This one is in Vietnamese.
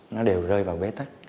nó đều rơi vào bế tắc